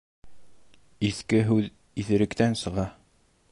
Иҫке һүҙ иҫеректән сыға.